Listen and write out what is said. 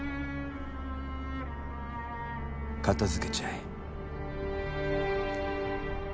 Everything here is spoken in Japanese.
片付けちゃえ。